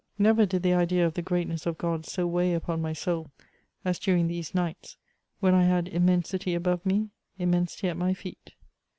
Never did the idea of the greatness of God so weigh upon my soul as during these nights, when I had immensity above me, immensity at my feet.